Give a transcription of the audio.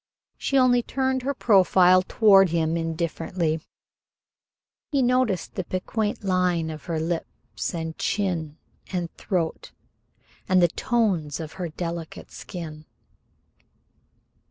She only turned her profile toward him indifferently. He noticed the piquant line of her lips and chin and throat, and the golden tones of her delicate skin.